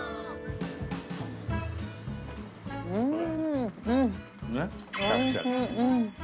うん。